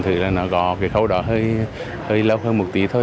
thực ra nó gò cái khâu đó hơi lâu hơn một tí thôi